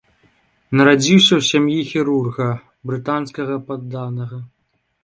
Нарадзіўся ў сям'і хірурга, брытанскага падданага.